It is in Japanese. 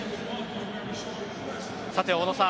さて、小野さん